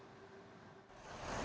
jalan yang tidak layak jalan